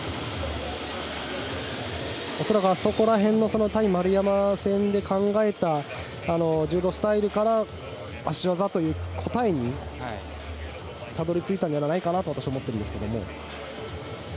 恐らくあの辺の対丸山戦で考えた柔道スタイルから足技という答えにたどり着いたのではと私は思ってるんですが。